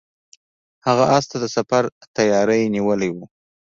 هغه اس ته د سفر تیاری نیولی و.